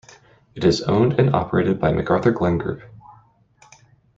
It is owned and operated by McArthurGlen Group.